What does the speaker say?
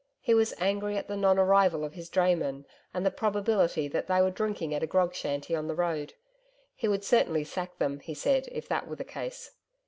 He was angry at the non arrival of his draymen and the probability that they were drinking at a grog shanty on the road. He would certainly sack them, he said if that were the case.